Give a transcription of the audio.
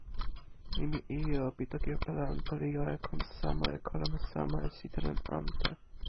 nimi "ijo" pi toki Epelanto li jo e kon sama e kalama sama e sitelen ante.